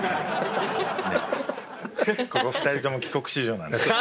ここ２人とも帰国子女なんです。